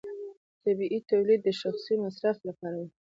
طبیعي تولید د شخصي مصرف لپاره و.